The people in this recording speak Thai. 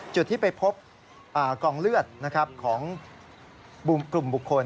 จุดที่ไปพบกองเลือดของกลุ่มบุคคล